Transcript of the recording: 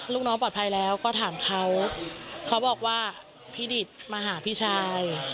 ลูกน้องปลอดภัยแล้วก็ถามเขาเขาบอกว่าพี่ดิตมาหาพี่ชาย